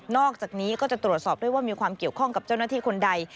อกจากนี้ก็จะตรวจสอบด้วยว่ามีความเกี่ยวข้องกับเจ้าหน้าที่คนใด